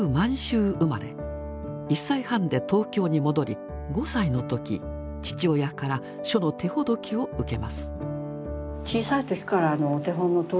１歳半で東京に戻り５歳の時父親から書の手ほどきを受けます。